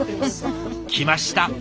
きました！